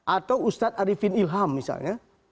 atau ustadz arifin ilham misalnya